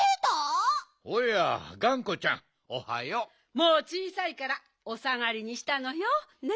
もうちいさいからおさがりにしたのよ。ね。